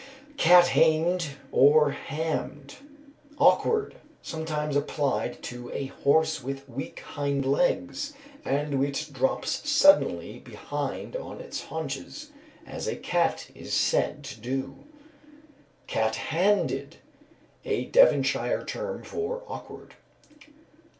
Cat hamed., or hammed. Awkward; sometimes applied to a horse with weak hind legs, and which drops suddenly behind on its haunches, as a cat is said to do. Cat handed. A Devonshire term for awkward.